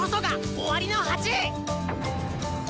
「終わりの鉢」！